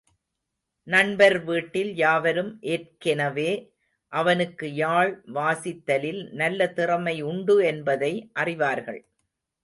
நண்பர் வீட்டில் யாவரும் ஏற்கெனவே அவனுக்கு யாழ் வாசித்தலில் நல்ல திறமை உண்டு என்பதை அறிவார்கள்.